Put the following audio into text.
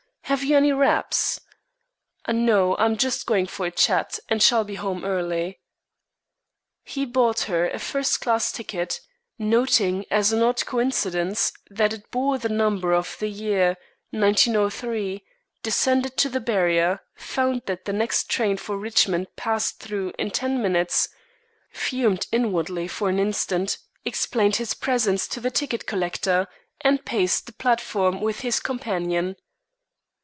Have you any wraps?" "No, I am just going for a chat, and shall be home early." He bought her a first class ticket, noting as an odd coincidence that it bore the number of the year, 1903, descended to the barrier, found that the next train for Richmond passed through in ten minutes, fumed inwardly for an instant, explained his presence to the ticket collector, and paced the platform with his companion.